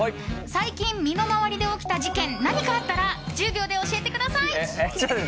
最近、身の回りで起きた事件何かあったら１０秒で教えてください。